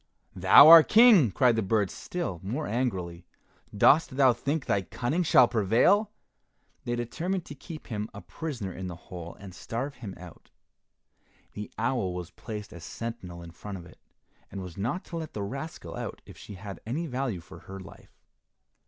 "Thou our King!" cried the birds still more angrily. "Dost thou think thy cunning shall prevail?" They determined to keep him a prisoner in the hole and starve him out. The owl was placed as sentinel in front of it, and was not to let the rascal out if she had any value for her life.